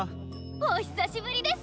お久しぶりです！